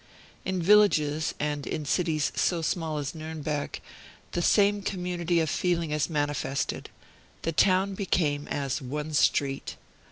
In villages, and in cities so small as Nuremberg, the same community of feeling is manifested. The town became as one street.